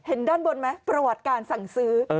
ด้านบนไหมประวัติการสั่งซื้อ